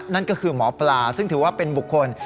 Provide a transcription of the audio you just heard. นั่นก็คือหมอปลาซึ่งถือว่าเป็นบุคคล